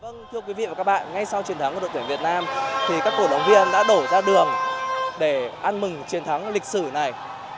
vâng thưa quý vị và các bạn ngay sau chiến thắng của đội tuyển việt nam thì các cổ động viên đã đổ ra đường để ăn mừng chiến thắng lịch sử này